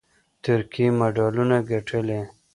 ترکیې مډالونه ګټلي